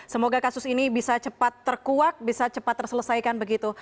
semoga kasus ini bisa cepat terkuak bisa cepat terselesaikan begitu